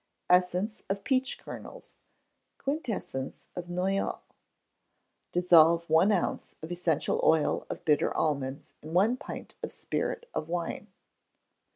(ESSENCE OF PEACH KERNELS QUINTESSENCE OF NOYEAU.) Dissolve one ounce of essential oil of bitter almonds in one pint of spirit of wine.